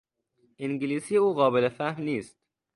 انگلیسی او قابل فهم نیست.